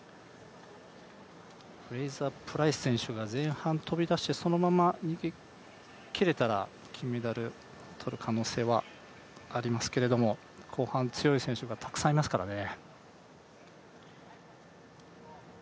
フレーザープライス選手が前半飛び出して、そのまま逃げ切れれば金メダルを取る可能性はありますけれども、後半強い選手がたくさんいますからね。